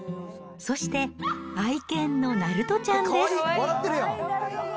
そして、愛犬のなるとちゃんです。